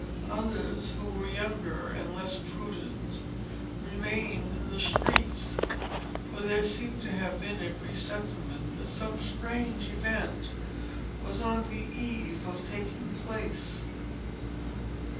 Others, who were younger and less prudent, remained in the streets; for there seems to have been a presentiment that some strange event was on the eve of taking place.